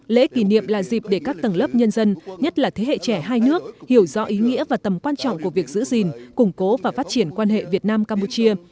lễ kỷ niệm là dịp để các tầng lớp nhân dân nhất là thế hệ trẻ hai nước hiểu rõ ý nghĩa và tầm quan trọng của việc giữ gìn củng cố và phát triển quan hệ việt nam campuchia